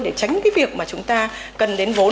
để tránh cái việc mà chúng ta cần đến vốn